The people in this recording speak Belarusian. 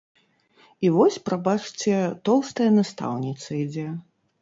І вось, прабачце, тоўстая настаўніца ідзе.